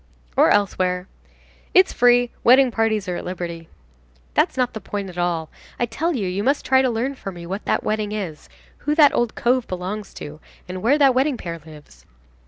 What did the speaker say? "Or elsewhere." "It's free. Wedding parties are at liberty." "That's not the point at all. I tell you that you must try to learn for me what that wedding is, who that old cove belongs to, and where that wedding pair lives."